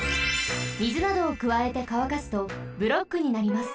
みずなどをくわえてかわかすとブロックになります。